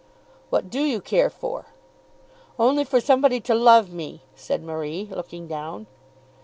"What do you care for?" "Only for somebody to love me," said Marie, looking down.